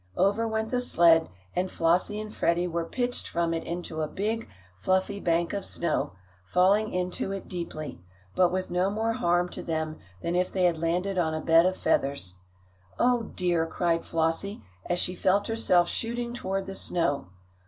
Over went the sled, and Flossie and Freddie were pitched from it into a big, fluffy bank of snow, falling into it deeply, but with no more harm to them than if they had landed on a bed of feathers. "Oh dear!" cried Flossie, as she felt herself shooting toward the snow.